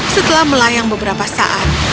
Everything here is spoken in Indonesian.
setelah melayang beberapa saat